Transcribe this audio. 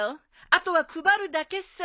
あとは配るだけさ。